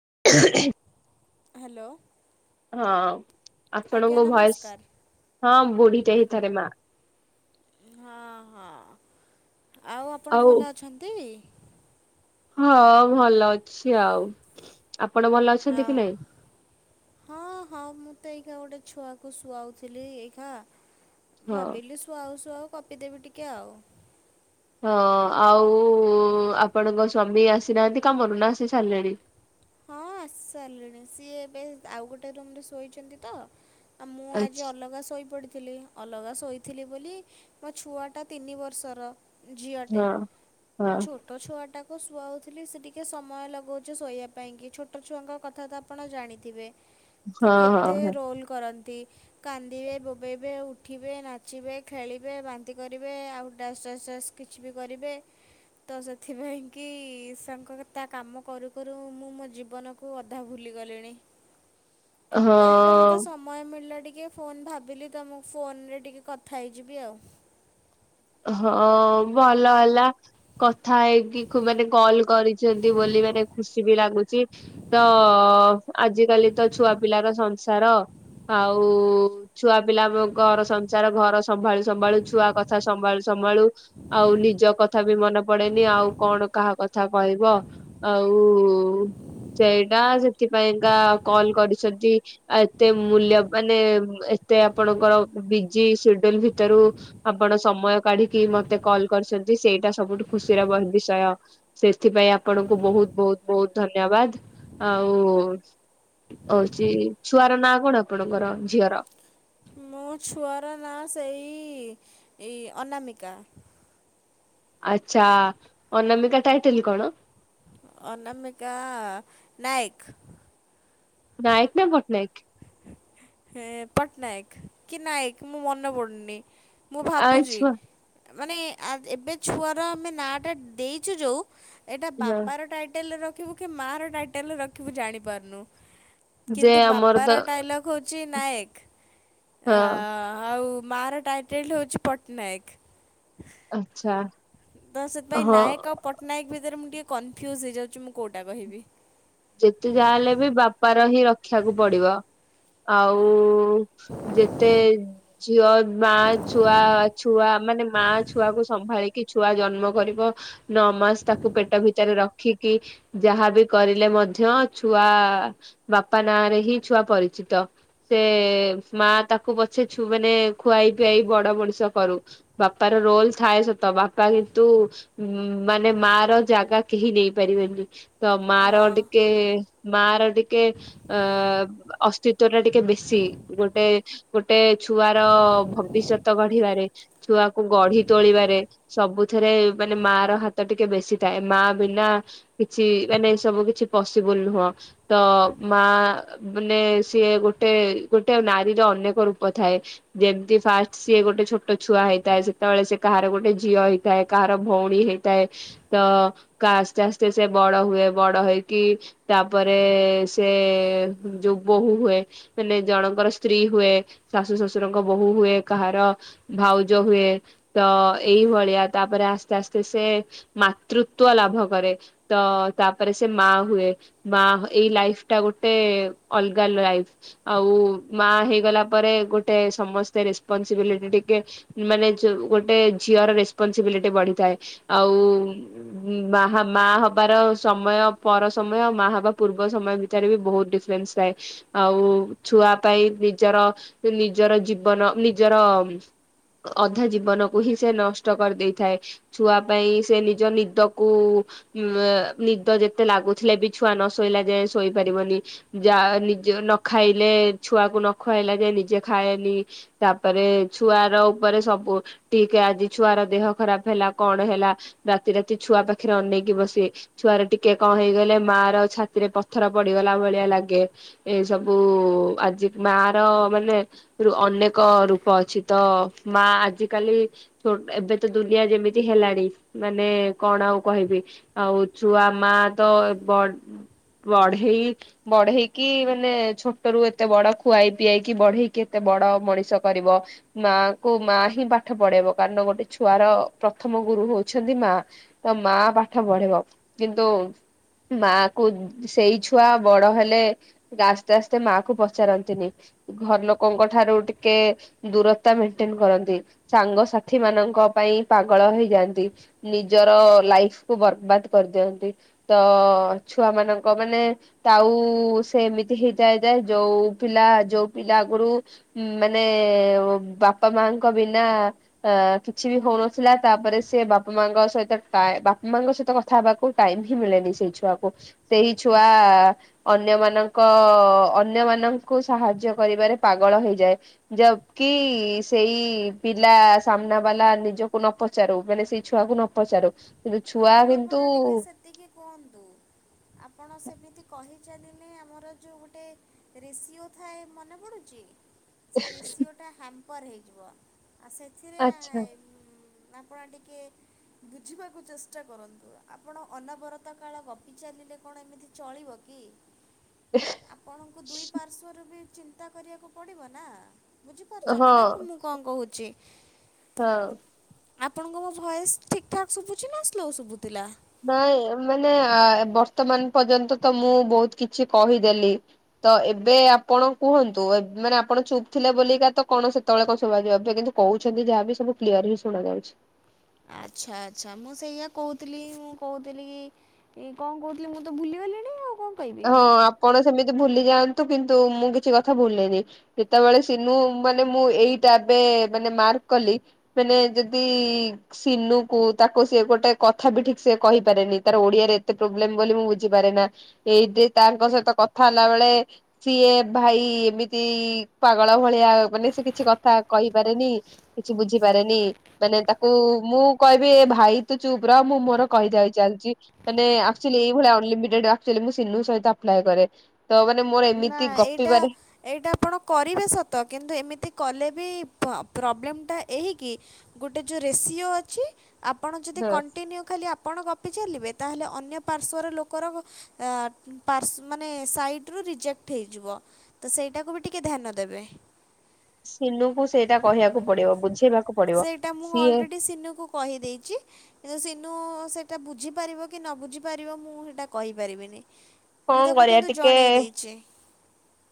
[inaudible] Hello. ହଁ ଆପଣଙ୍କ voice, ନମସ୍କାର। ହଁ ବୁଢିଟେ ହେଇଥରେ ମା। ହଁ ହଁ, ଆଉ ଆପଣ ଭଲ ଅଛନ୍ତି? ହଁ ଭଲ ଅଛି ଆଉ। ଆପଣ ଭଲ ଆ ଅଛନ୍ତି କି ନାଇଁ? ହଁ ହଁ ମୁଁ ତ ଗୋଟେ ଛୁଆକୁ ଶୁଆଉଥିଲି ଏଇାଖା, ହଁ। ଭାବିଲି ଶୁଆଉ ଶୁଆଉ। ଗପିଦେବି ଟିକେ ଆଉ। ହଁ ଆଉ ଆପଣଙ୍କ ସ୍ଵାମୀ ଆସିନାହାନ୍ତି କାମରୁ, ନା ଆସି ସାରିଲେଣି? ହଁ ଆସିସାରିଲେଣି। ସିଏ ଏବେ ଆଉ ଗୋଟେ ରୁମରେ ଶୋଇଛନ୍ତି ତ। ଆଉ ମୁଁ ଆଜି ଆଚ୍ଛା ଅଲଗା ଶୋଇପଡ଼ିଥିଲି। ଅଲଗା ଶୋଇଥିଲି ବୋଲି ମୋ ଛୁଆଟା ତିନି ବର୍ଷର। ଝିଅଟେ ହଁ। ହଁ - ଛୋଟ ଛୁଆ ଟାକୁ। ସୁଆଉଥିଲି ସେ ଟିକେ ସମୟ ଲଗାଉଛି ଶୋଇବା ପାଇଁ କି ଛୋଟ ଛୁଆଙ୍କ କଥା ତ ଆପଣ ଜାଣିଥିବେ। ତ ହଁ ହଁ କେତେ ରୋଲ କରନ୍ତି। ନ୍ତି। କାନ୍ଦିବେ ବୋବେଇବେ ଉଠିବେ ନାଚିବେ ଖେଳିବେ ବାନ୍ତି କରିବେ ଆଉ ତା। ଇଏସ ଇଏସ କିଛି ବି କରିବେ। ତ ସେଥିପାଇଁ କି ସାଙ୍କ ତା କାମ କରୁ କରୁ। ମୁଁ ମୋ ଜୀବନକୁ ଅଧା ଭୁଲିଗଲିଣି। ହଁ ତ ଏବେ ହଁ ମତେ ସମୟ ମିଳିଲା ଟିକେ। ଟିକେ ଫୋନ୍ ଭାବିଲି ତମକୁ ଫୋନରେ ଟିକେ କଥା ହେଇଯିବି ଆଉ। ହଁ ଭଲ ହେଲା କଥା ହେଇକି କୁ ମାନେ କଲ। କରିଛନ୍ତି ବୋଲି ମାନେ ଖୁସି ବି ଲାଗୁଛି ତ ଆଜିକାଲି ତ ଛୁଆ ପିଲାର ସଂସାର। ଆଉ ଛୁଆ ପିଲା ଆମ ଘର ସଂସାର ଘର ସମ୍ଭାଳୁ ସମ୍ଭାଳୁ ଛୁଆ କଥା। ସମ୍ଭାଳୁ ସମ୍ଭାଳୁ ଆଉ ନିଜ କଥା ବି ମନେ ପଡ଼େନି ଆଉ କଣ କାହା କଥା କହିବ। ଆଉ ସେଇଟା ସେଥିପାଇଁକା କଲ କରିଛନ୍ତି ଏତେ ମୂଲ୍ୟ ମାନେ। ମତେ ଆପଣଙ୍କର ବିଜି ସେଡୁଲ ଭିତରୁ ଆପଣ। ସମୟ କାଢ଼ୀକି ମତେ କଲ୍ କରିଛନ୍ତି ସେଇଟା ସବୁଠୁ ଖୁସିର ବିଷୟ ସେଥିପାଇଁ ଆପଣ। ଙ୍କୁ ବହୁତ ବହୁତ ବହୁତ ଧନ୍ୟବାଦ ଆଉ। ହଉଛି ଛୁଆର ନାଁ କଣ ଆପଣଙ୍କର ଝିଅର। ମୋ ଛୁଆର ନାଁ ସେଇ ଏଇ ଅନନାମିକା। ଆଚ୍ଛା ଅନାମିକା ଟାଇଟିଲ କଣ? ଅନାମିକା ନାୟକ୍। ନାୟକ ନା ପଟ୍ଟନାୟକ। ହଁ ପଟ୍ଟନାୟକ କି ନାୟକ ମୁଁ ମନେ ପଡୁନି ମୁଁ ଆ ଭାବୁଛି। ଛୁଆ ମାନେ ଆ ଏବେ ଛୁଆର ଆମେ ନା ଟା ଦେଇଛୁ ଯୋଉ। ଏଇଟା ହଁ ବାପାର ଟାଇଟେଲରେ ରଖିବୁ କି ମାଆର ଟାଇଟେଲରେ ରଖିବୁ ଜାଣିପାରୁନୁ। ଯେ କିନ୍ତୁ ଆମର ତ ବାପାର ଡାଇଲଗ ହଉଛି ନାୟକ। ହଁ ମାର ଟାଇଟେଲଟି ହେଉଛି ପଟ୍ଟନାୟକ। ଆଚ୍ଛା। ତ ସେଥିପାଇଁ ହଁ। ନାୟକ ଆଉ ପଟ୍ଟନାୟକ ଭିତରେ ମୁଁ ଟିକେ କନଫ୍ୟୁଜ ହେଇଯାଉଛି ମୁଁ କୋଉଟା କହିବି। ଯେତେ ଯାହା ହେଲେ ବି ବାପାର ହିଁ ରଖିବାକୁ ପଡ଼ିବ। ଆଉ ଯେତେ ଝିଅ ମା ଛୁଆ ଛୁଆ ମାନେ ମା ଛୁଆକୁ ସମ୍ଭାଳିି କି ଛୁଆ ଜନ୍ମ କରିବ ନଅମାସ ତାକୁ ପେଟ ଭିତରେ ରଖିକି ଯାହାବି କରିଲେ ମଧ୍ୟ ମଧ୍ୟ ଛୁଆ ବାପା ନାଁରେ ହିଁ ଛୁଆ ପରିଚିତ ସେ ମା। ତାକୁ ପଛେ ଛୁ ମାନେ ଖୁଆଇ ପିଆଇ ବଡ଼ ମଣିଷ କରୁ ବାପାର ରୋଲ ଥାଏ ସତ ବାପା କିନ୍ତୁ ମାନେ ମା ର ଜାଗା କେହି ନେଇପାରିବେନି ତ ମା ର ଅ ଟିକେ ମା ର ଟିକେ ଅ ଅସ୍ତିତ୍ଵ ଟା ଟିକେ ବେଶୀ ଗୋଟେ ଗୋଟେ ଛୁଆର ଭବିଷ୍ୟତ ଗଢ଼ିବାରେ ଛୁଆକୁ ଗଢ଼ି ତୋଳିବାରେ ସବୁ ରେ ମାନେ ମା ର ହାତ ଟିକେ ବେଶୀ ଥାଏ ମା ବିନା କିଛି ମାନେ ଏ ସବୁ କିଛି ପସିବୁଲ ନୁହଁ ତ ମା ମାନେ ସିଏ ଗୋଟେ ଗୋଟେ ନାରୀର ଅନେକ ରୂପ ଥାଏ। ଯେମିତି ଫାଷ୍ଟ ସିଏ ଗୋଟେ ଛୋଟ ଛୁଆ ହେଇଥାଏ ସେତେବେଳେ ସେ କାହାର ଗୋଟେ ଝିଅ। ହେଇଥାଏ କାହାର ଭଉଣୀ ହେଇଥାଏ ତ କା ଆସ୍ତେ ଆସ୍ତେ ସେ ବଡ଼ ହୁଏ ବଡ଼ ହେଇ। କି ତାପରେ ସେ ଯୋଉ ବୋହୂ ହୁଏ ମାନେ ଜଣଙ୍କର ସ୍ତ୍ରୀ ହୁଏ, ଶାଶୁ ଶଶୁରଙ୍କ ବୋହୂ ହୁଏ, କାହାର ଭାଉଜ ହୁଏ, ତ ଏଇଭଳି ଆ ତାପରେ ଆସ୍ତେ ଆସ୍ତେ ସେ ମାତୃତ୍ଵ ଲାଭ କରେ ତ ତାପରେ ସେ ମା ହ ମା ଏଇ ଲାଇଫଟା ଗୋଟେ ଅଲଗା ଲାଇଫ ଆଉ ମା ହେଇଗଲେ ପରେ ଗୋଟେ ସମସ୍ତେ ରେସ୍ପନ୍ସବିଲିଟି ଟିକେ ମାନେ ଯୋଉ ଗୋଟେ ଝିଅର ରେସ ବଢିଥାଏ ଆଉ ମା ହବାର ସମୟ ପର ସମୟ ଆଉ ମା ବା ପୂର୍ବ ସମୟ ଭିତରେ ବି ବହୁତ ଡିଫରେନ୍ସ ଥାଏ ଆଉ ଛୁଆ ପାଇଁ ନିଜର ନିଜର ଜୀବନ ନିଜର ଅଧା ଜୀବନକୁ ହିଁ ସେ ନଷ୍ଟ କରିଦେଇଥାଏ ଛୁଆ ପାଇଁ ସେ ନିଜ ନିଦକୁ ଉ ନିଦ ଯେତେ ଏତେ ଲାଗୁଥିଲେ ବି ଛୁଆ ନ ଶୋଇଲା ଯାଏ ଶୋଇପାରିବନି ଯା ନିଜ ନ ଖାଇଲେ ଛୁଆକୁ ନ ଖୁଆଇଲା ଯାଏ ନିଜେ ଖାଏନି ତାପରେ ଛୁଆ ର ଉପରେ ସବୁ ଟିକେ ଆଜି ଛୁଆର ଦେହ ଖରାପ ହେଲା କଣ ହେଲା ରାତି ରାତି ଛୁଆ ପାଖରେ ଅନେଇକି ବସେ ଛୁଆର ଟିକେ କିଏ କଣ ହେଇଗଲେ ମା ର ଛାତିରେ ପଥର ପଡିଗଲା ଭଳିଆ ଲାଗେ ଏଇ ସବୁ ଆଜି ମା ର ମାନେ ଅନେକ ରୂପ ଅଛି ତ ମା ଆଜିିକାଲି ଏବେ ତ ଦୁନିଆ ଯେମିତି ହେଲାଣି ମାନେ କଣ ଆଉ କହିବି ଆଉ ଛୁଆ ମା ତ ବ ବଢେଇ ବଢେଇକି ମାନେ ଛୋଟ ରୁ ଏତେ ବଡ ଖୁଆଇ ପିଆଇକି ବଢେଇକି ଏତେ ବଡ ମଣିଷ କରିବ ମା କୁ ମା ହିଁ ପାଠ ପଢେଇବ କାରଣ ଗୋଟେ ଛୁଆର ପ୍ରଥମ ଗୁରୁ ହଉଛନ୍ତି ମା ତ ମା ପାଠ ପଢିବ କିନ୍ତୁ ମା କୁ ସେଇ ଛୁଆ ବଡ ହେଲେ ଆସ୍ତେ ଆସ୍ତେ ମା କୁ ପଚାରନ୍ତିନି ଘର ଲୋକଙ୍କ ଠାରୁ ଟିକେ ଦୂରତା ମେଣ୍ଟେନ କରନ୍ତି ସାଙ୍ଗସାଥି ମାନଙ୍କ ପାଇଁ ପାଗଳ ହେଇଯାନ୍ତି ନିଜର ଲାଇଫ କୁ ବର୍ବାଦ କରିଦିଅନ୍ତି ତ ଛୁଆ ମାନଙ୍କ ମାନେ ତାଉ ସେ ଏମିତି ହେଇଯାଏ ଯେ ଯୋଉ ପିଲା ଯୋଉ ପିଲା ଆଗରୁ ମାନେ ବାପା ମାଙ୍କ ବିନା କିଛି ବି ହଉନଥିଲା ତାପରେ ସେ ବାପା ମାଙ୍କ ସହିତ ବାପା ମାଙ୍କ ସହିତ କଥା। କଥା ହେବାକୁ ଟାଇମ ହିଁ ମିଳେନି ସେଇ ଛୁଆକୁ ସେଇ ଛୁଆ ଅନ୍ୟମାନଙ୍କ ଅନ୍ୟ ମାନଙ୍କୁ ସାହାଯ୍ୟ କରିବାରେ ପାଗଳ ହେଇଯାଏ ଯ କିି ସେଇ ପିଲା ସାମ୍ନା ବାଲା ନିଜକୁ ନ ପଚାରୁ ମାନେ ସେଇ ଛୁଆକୁ ନ ପଚାରୁ କିନ୍ତୁ ଛୁଆ ଆଉ ଆପଣ ଟିକେ ସେତିକି କୁହନ୍ତୁ ଆପଣ ସେମିତି କହିଛନ୍ତି। ଆମର ଯୋଉ ଗୋଟେ ରେସିଓ ଥାଏ ମନେ ପଡୁଛି ସେ ରେସିଓଟା ହ୍ୟାମ୍ପର୍ ହେଇଯିବ ଆଉ ସେଥିରେ ଆଚ୍ଛା। ଆପଣ ଟିକେ ବୁଝିବାକୁ ଚେଷ୍ଟ ଚେଷ୍ଟା କରନ୍ତୁ ଆପଣ ଅନବରତ କାଳ ଗପିଚାଲିଲେ କଣ ଏମିତି ଚଳିବ କି। ଆପଣଙ୍କୁ ଦୁଇ ପାର୍ଶ୍ଵରୁ ବି ଚିନ୍ତା କରିବାକୁ ପଡ଼ିବ ନା। ବୁଝିପାରୁଛନ୍ତି ହଁ ନା ମୁଁ କଣ କହୁଛି। ହଁ। ଆପଣଙ୍କ ମୋ ଭଏସ ଠିକ୍ ଠାକ୍ ଶୁଭୁଛି ନା ସ୍ଲୋ ଶୁଭୁଥିଲା। ନାଇଁ ମାନେ ବର୍ତ୍ତମାନ ପର୍ଯ୍ୟନ୍ତ ତ ମୁଁ ବହୁତ କିଛି କହିଦେଲି। ତ ଏବେ ଆପଣ କୁହନ୍ତୁ ମାନେ ଆପଣ ଚୁପ୍ ଥିଲେ ବୋଲିକା ତ କଣ ସେତେବେଳେ କଣ ସୁବା ଯିବ କିନ୍ତୁ କହୁଛନ୍ତି ଯାହାବି ସବୁ କ୍ଲିୟର ହି ଶୁଣା ଯାଉଛି। ଆ ଆଚ୍ଛା ଆଚ୍ଛା ମୁଁ ସେଇଆା କହୁଥିଲି ମୁଁ କହୁଥିଲି କି କଣ କହୁଥିଲି ମୁଁ ତ ଭୁଲିଗଲିଣି ଆଉ। କଣ କହିବି। ହଁ ଆପଣ ସେମିତି ଭୁଲି ଯାଆନ୍ତୁ କିନ୍ତୁ ମୁଁ କିଛି କଥା ଭୁଲିନି ଯେତେବେଳେ ସିନୁ ମାନେ ମୁଁ ଏଇଟା ଏବେ ମାନେ ମାର୍କ କଲି ମାନେ ଯଦି ସିନୁ କୁ ତାକୁ ସି ଗୋଟେ କଥା ବି ଠିକ୍ ସେ କହିପାରେନି ତାର ଓଡିଆରେ ଏତେ ପ୍ରୋବ୍ଲେମ ବୋଲି ମୁଁ ବୁଝିପାରେ ନା। ଏଇଠି ତାଙ୍କ ସହିତ କଥା ହେଲା ବେଳେ ସିଏ ଭାଇ ଏମିତି ପାଗଳ ଭଳିଆ ମାନେ ସେ କିଛି କଥା କହିପାରେନି କିଛି ବୁଝିପାରେନି ମାନେ ତାକୁ ମୁଁ କହିବି ଭାଇ ତୁ ଚୁପ୍ ରହ ମୁଁ ମୋର କହି ଚାଲିଛି ମାନେ ଆଚୁଲି ଏଇଭଳିଆ ଅନଲିମିଟେଡ ମୁଁ ସିନୁ ସହିତ ଆପ୍ଲାଏ କରେ ତ ମାନେ ମୋର ନା ଏମିତି ଏଇଟା ଗପିବାରେ ଏଇଟା ଆପଣ କରିବେ ସତ କିନ୍ତୁ ଏମିତି କଲେ ବି ପ୍ରୋବ୍ଲେମ ଟା ଏହିକି ଗୋଟେ ଯେଉଁ ରେସିଓ ଅଛି। ଆପଣ ଯଦି ହଁ କଣ୍ଟିନ୍ୟୁ ଖାଲି ଆପଣ ଚାଲିବେ ତାହଲେ ଅନ୍ୟ ପାର୍ଶ୍ଵର ଲୋକର ମାନେ ସାଇଟ ରୁ ରିଜେକ୍ଟ ହେଇଯିବ। ତ ସେଇଟାକୁ ବି ଟିକେ ଧ୍ୟାନ ଦେବେ। ସିନୁକୁ ସେଇଟା କହିବାକୁ ପଡିବ ବୁଝେଇବାକୁ ପଡିବ ସିଏ ଛି କିନ୍ତୁ ସିନୁ ସେଟା ବୁଝିପାରିବ କି ନ ବୁଝି ପାରିବ ମୁଁ ସେଇଟା କହିପାରିବିନି ମୁଁ କଣ ତାକୁ କରିବା କିନ୍ତୁ ଟିକେ ଜଣେଇ ଦେଇଛି।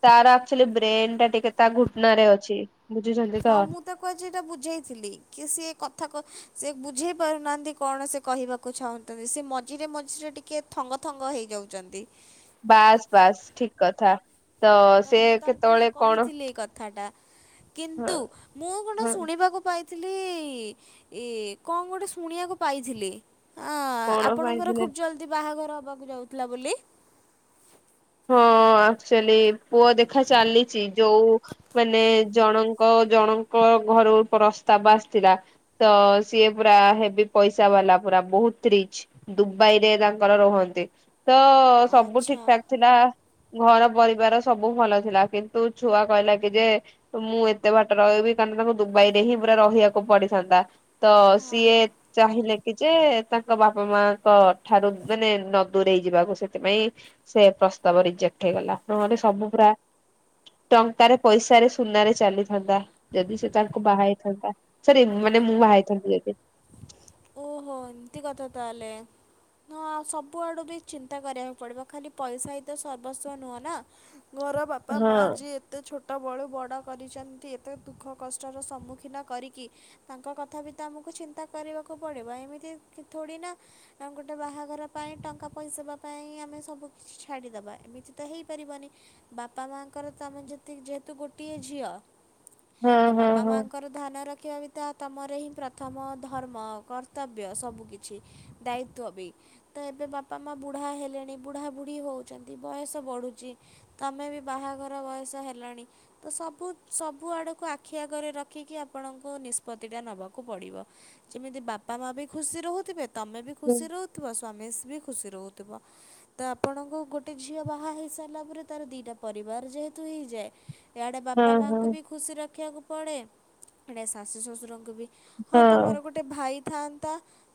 ତାର ଆକ୍ଚୁଲି ବ୍ରେନ ଟା ଟିକେ ତା ଘୁଟନା ରେ ଅଛି। ବୁଝୁଛନ୍ତି ହଁ ତ ମୁଁ ତାକୁ ଏଇଟା ବୁଝେଇଥିଲି କି ସିଏ କଥା କ ସେ ବୁଝେଇ ପାରୁନାହାନ୍ତି କଣ ସେ କହିବାକୁ ଚାହୁଁନ୍ତି ସେ ମଝିରେ ମଝିରେ ଟିକେ ଥଙ୍ଗ ଥଙ୍ଗ ହେଇଯାଉ ଯାଉଛନ୍ତି। ବାସ୍ ବାସ୍ ଠିକ କଥା। ତ ସେ ମୁଁ ତାଙ୍କୁ କେତେବେଳେ କଣ କହିଥିଲି ଏଇ କଥାଟା କିନ୍ତୁ ହଁ ମୁଁ କଣ ହଁ ଶୁଣିବାକୁ ପାଇ ଥିଲି-ଇ ଏ କଣ ଗୋଟେ ଶୁଣିବାକୁ ପାଇଥିଲି। ହଁ କଣ ଆପଣଙ୍କର ପାଇଥିଲେ ଖୁବ ଜଲଦି ବାହାଘର ହବାକୁ ଯାଉଥିଲା ବୋଲି ହଁ ଆକ୍ଚୁଆଲି ପୁଅ ଦେଖା ଚାଲିଛି ଯୋଉ ମାନେ ଜଣଙ୍କ ଜଣଙ୍କ ଘରୁ ପ୍ରସ୍ତାବ ଆସିଥିଲା ତ ସିଏ ପୁରା ହେବି ପଇସା ବାଲା ପୁରା ବହୁତ ରିଚ୍ ଦୁବାଇ ରେ ତାଙ୍କର ରୁହନ୍ତି। ତ ସବୁ ଆଚ୍ଛା ଠିକଠାକ୍ ଘର ପରିବାର ସବୁ ଭଲ ଥିଲା କିନ୍ତୁ ଛୁଆ କହିଲା କି ଯେ ମୁଁ ଏତେ ବାଟର କହିବି ତାଙ୍କ ତାଙ୍କ ଦୁବାଇରେ ହିଁ ପୁରା ରହିବାକୁ ପଡିଥାନ୍ତା ତ ସିଏ ଚାହିଁଲେ କି ଯେ ତାଙ୍କ ବାପା ମାଙ୍କ ଠାରୁ ମାନେ ନ ଦୂରେଇ ଯିବାକୁ ସେଥିପାଇଁ ସେ ପ୍ରସ୍ତାବ ରିଜେକ୍ଟ ହେଇଗଲା ନହଲେ ସବୁ ପୁରା ଟଙ୍କାରେ ପଇସାରେ ସୁନାରେ ଚାଲିଥାନ୍ତା ଯଦି ସେ ତାଙ୍କୁ ବାହାଇଥାନ୍ତା ସରି ମାନେ ମୁଁ ବାହା ହେଇଥାନ୍ତି ଯଦି। ଓ-ହୋ ଏମିତି କଥା ତାହଲେ। ହଁ ଆଉ ସବୁ ଆଡୁ ବି ଚିନ୍ତା କରିବାକୁ ପଡିବ ଖାଲି ପଇସା ହିଁ ତ ସର୍ବସ୍ୱ ନୁହଁ ନା। ଘର ବାପା ହଁ ମାଆ ଯିଏ ଏତେ ଛୋଟ ଛୋଟ ବେଳୁ ବଡ଼ କରିଛନ୍ତି ଏତେ ଦୁଃଖ କଷ୍ଟର ସମ୍ମୁଖୀନ କରିକି ତାଙ୍କ କଥା ବି ତ ଆମକୁ ଚିନ୍ତା କରିବାକୁ ପଡିବ ଏମିତି କି- କି ଥୋଡ଼ି ନା ଗୋଟେ ବାହାଘର ପାଇଁ ଟଙ୍କା ପଇସା ଦେବା ପାଇଁ ଆମେ ସବୁ କିଛି ଛାଡିଦ ବା ଏମିତି ତ ହେଇପାରିବନି ବାପା ମାଙ୍କର ତ ଆମେ ଯେତିକି ଯେହେତୁ ଗୋଟିଏ ଝିଅ। ହଁ ତ ହଁ ବାପା ହଁ। ମାଙ୍କର ଧ୍ୟାନ ରଖିବା ବି ତ ତମର ହିଁ ପ୍ରଥମ ଧର୍ମ କର ର୍ତ୍ତବ୍ୟ ସବୁ କିିଛି ଦାୟିତ୍ଵ ବି ତ ଏବେ ବାପା ମା ବୁଢା ହେଲେଣି ବୁଢା ବୁଢୀ ହୋ ହଉଚନ୍ତି ବୟସ ବଢୁଛି ତମେ ବି ବାହାଘର ବୟସ ହେଲଣି ତ ସବୁ ସ ବୁ ଆଡକୁ ଆଖି ଆଗରେ ରଖିକି ଆପଣଙ୍କୁ ନିଷ୍ପତି ଟା ନବାକୁ ପଡିବ ଯେମିତି ବାପ୍ ପା ମା ବି ଖୁସି ରହୁଥିବେ ତମେ ବି ଖୁସି ରହୁଥୁବ ସ୍ୱାମୀ ବି ଖୁସି ରହୁଥୁବ ତ ଆପଣଙ୍କୁ ଗୋଟେ ଝିଅ ବାହା ହେଇସାରିଲା ପରେ ତାର ଦିଟା ପରିବାର ଯେ ତୁ ହେଇଯାଏ। ଇଆଡ଼େ ବାପା ହଁ ହଁ ମାଙ୍କୁ ବି ଖୁସି ରଖିବାକୁ ପଡ଼େ ଏଣେ ଶାଶୁ ଶ୍ୱଶୁରଙ୍କୁ ବି ହଁ ତମର ଗୋଟେ ଭାଇ ଥାନ୍ତା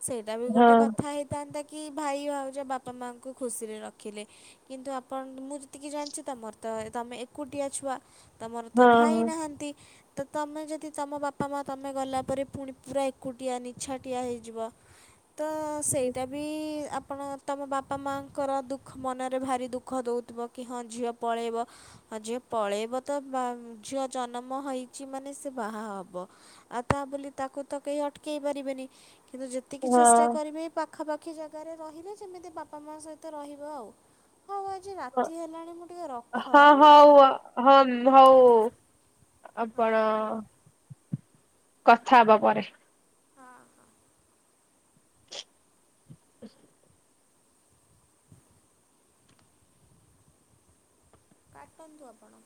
ସେଇଟା ବି ହଁ ଗୋଟେ କଥା ହେଇଥାନ୍ତା। କି ଭାଇ ଭାଉଜ ବାପା ମାଙ୍କୁ ଖୁସିରେ ରଖିଲେ କିନ୍ତୁ ଆପଣ ମୁଁ ଯେତିକି ଜାଣିଛି ତମର ତ ତମେ ଏକୁଟିଆ ଛୁଆ ତମର ତ ହଁ ଭାଇ ହଁ। ନାହାନ୍ତି। ତ ତମେ ଯଦି ତମ ବାପା ମା ତମେ ଗଲା ପରେ ପୁଣି ପୁରା ଏକୁଟିଆ ନି ଛାଟିଆ ହେଇଯିବ ତ ସେଇଟା ବି ଆ ଆପଣ ତମ ବାପା ମାଆଙ୍କର ଦୁଃଖ ମନରେ ଭାରି ଦୁଃଖ ଦେଉଥିବ କି ହଁ ଝିଅ ପଳେଇବ। ହଁ ଝିଅ ପଳେଇବ ତ ବା ଝିଅ ଜନ୍ମ ହେଇଚି ମାନେ ସେ ବାହା ହେବ ଆଉ ତା ବୋଲି ତାକୁ ତ କେହି ଅଟକେଇ ପାରିବେନି କିନ୍ତୁ ଯେତିକି ଚେଷ୍ଟା କରିବେ ପାଖାପା ଖି ଜାଗାରେ ରହିବେ ଯେମିତି ବାପା ମା ସହିତ ରହିବ ଆଉ। ହଉ ଆଜି ରାତି ହେଲାଣି ମୁଁ ଟିକେ ରଖ ହଁ ହଁ-ହଁ ହେଲା ହଉ ହମ୍ ହଉ। ଆପଣ କଥା ହବା ପରେ। ଉହୁଁ। କାଟନ୍ତୁ ଆପଣ।